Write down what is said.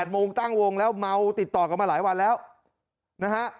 โมงตั้งวงแล้วเมาติดต่อกันมาหลายวันแล้วนะฮะ